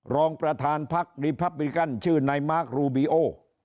รองประธานพักรีพับบิกันชื่อนายมาร์ครูบีโอ